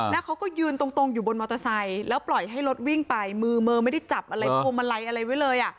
แล้วเขาก็ยืนตรงอยู่บนมอเตอร์ไซค์แล้วปล่อยให้รถวิ่งไปมือมือไม่ได้จับอะไรพวงมาลัยอะไรไว้เลย